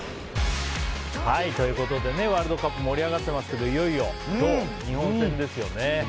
ワールドカップ盛り上がっていますけどいよいよ今日、日本戦ですよね。